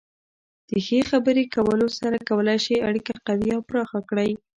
د ښې خبرې کولو سره کولی شئ اړیکه قوي او پراخه کړئ.